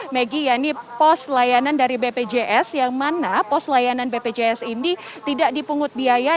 megi ya ini pos layanan dari bpjs yang mana pos layanan bpjs ini tidak dipungut biaya